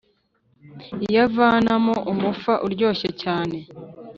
iyavanamo umufa uryoshye cyane